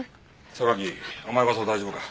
榊お前こそ大丈夫か？